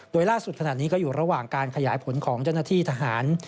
โดยล่าสุดขณะนี้ก็อยู่ระหว่างการขยายผลของเจ้าหน้าที่ทหาร